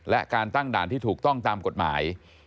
และการตั้งด่านที่ถูกต้องตามกฎหมาย